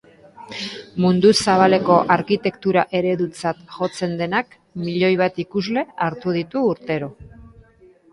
Mundu zabaleko arkitektura eredutzat jotzen denak milioi bat ikusle hartu ditu urtero.